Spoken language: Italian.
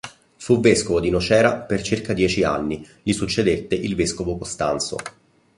Fu vescovo di Nocera per circa dieci anni: gli succedette il vescovo Costanzo.